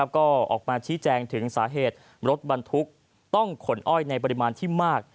ก็ออกมาชี้แจงถึงสาเหตุรถบรรทุกต้องขนอ้อยในปริมาณที่มาก